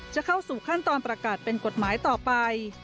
จะเข้าสู่ขั้นตอนประกาศเป็นกฎหมายต่อไป